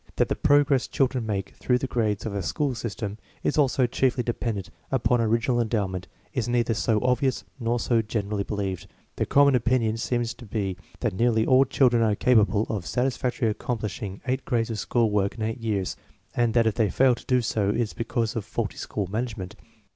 That the progress children make through the grades of a school system is also chiefly dependent upon original endowment is neither so obvious nor so generally believed. The common opinion seems to be that nearly all children are capable of satisfactorily accomplishing eight grades of school work in eight years, and that if they fail to do so it is because of faulty school management.